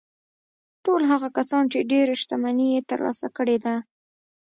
ټول هغه کسان چې ډېره شتمني يې ترلاسه کړې ده.